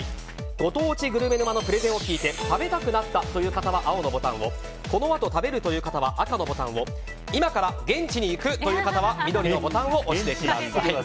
ご当地グルメ沼のプレゼンを聞いて食べたくなったという方は青のボタンをこの後食べるという方は赤のボタンを今から現地に行くという方は緑のボタンを押してください。